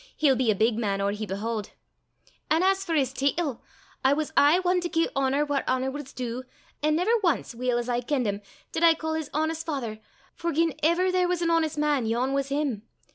he'll be a big man or he behaud. An' for 's teetle, I was aye ane to gie honour whaur honour was due, an' never ance, weel as I kenned him, did I ca' his honest father, for gien ever there was an honest man, yon was him!